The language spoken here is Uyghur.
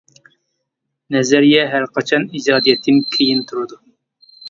نەزەرىيە ھەر قاچان ئىجادىيەتتىن كېيىن تۇرىدۇ.